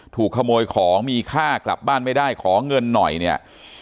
ถูกขโมยของมีค่ากลับบ้านไม่ได้ขอเงินหน่อยเนี่ย